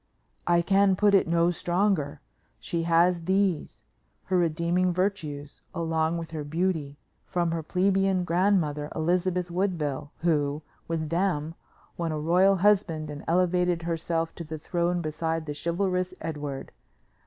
I can put it no stronger. She has these, her redeeming virtues, along with her beauty, from her plebeian grandmother, Elizabeth Woodville, who, with them, won a royal husband and elevated herself to the throne beside the chivalrous Edward.